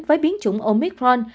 với biến chủng omicron